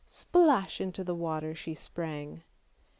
!< j Splash, into the water she sprang.